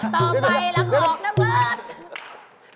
ต่อไปล่ะของนเบิร์ต